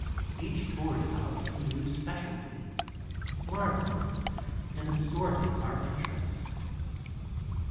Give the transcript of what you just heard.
Each tour develops a new specialty, marvelous and absorbing our interest.